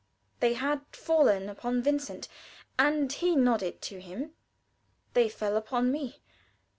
They had fallen upon Vincent, and he nodded to him. They fell upon me.